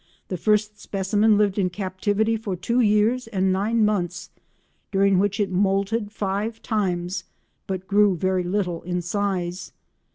The first specimen lived in captivity for two years and nine months, during which it moulted five times but grew very little in size.